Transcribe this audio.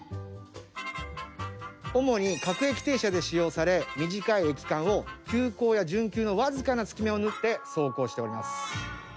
主に各駅停車で使用され短い駅間を急行や準急の僅かな隙間を縫って走行しております。